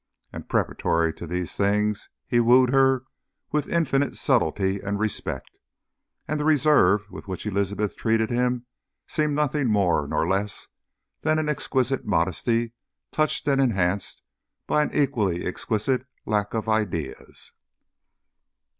And preparatory to these things he wooed her with infinite subtlety and respect. And the reserve with which Elizabeth treated him seemed nothing more nor less than an exquisite modesty touched and enhanced by an equally exquisite lack of ideas.